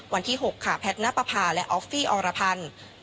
วันที่หกค่ะแพทนปภาและออฟฟี่ออรพันธ์